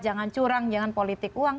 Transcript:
jangan curang jangan politik uang